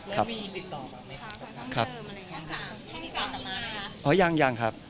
เอ๊ะยังยังครับ